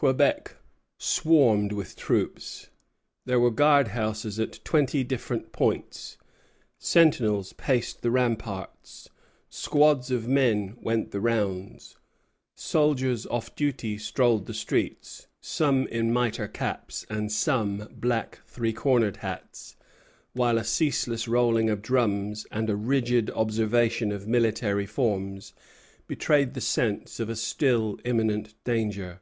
1759. Quebec swarmed with troops. There were guard houses at twenty different points; sentinels paced the ramparts, squads of men went the rounds, soldiers off duty strolled the streets, some in mitre caps and some black three cornered hats; while a ceaseless rolling of drums and a rigid observance of military forms betrayed the sense of a still imminent danger.